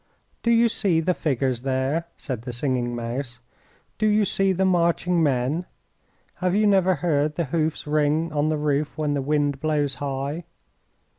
"Do you see the figures there?" said the Singing Mouse. "Do you see the marching men? Have you never heard the hoofs ring on the roof when the wind blows high?